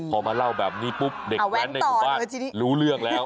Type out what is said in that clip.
พอมาเล่าแบบนี้ปุ๊บเด็กแว้นในหมู่บ้านรู้เรื่องแล้ว